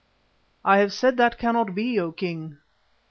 "I have said that cannot be, O King."